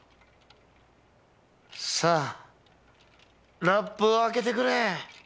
さあラップを開けてくれ！